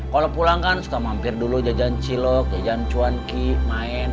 kalau pulang kan suka mampir dulu jajan cilok jajan cuanki main